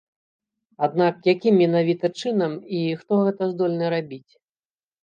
Аднак якім менавіта чынам і хто гэта здольны рабіць?